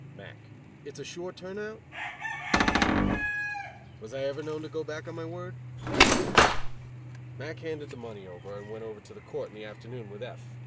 Mack: It's a sure turn out? Captain: Was I ever known to go back on my word? Mack handed the money over, and went over to court in the afternoon with F